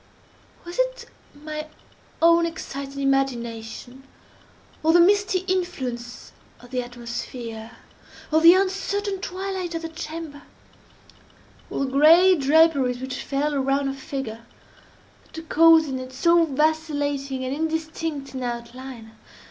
Was it my own excited imagination—or the misty influence of the atmosphere—or the uncertain twilight of the chamber—or the gray draperies which fell around her figure—that caused in it so vacillating and indistinct an outline?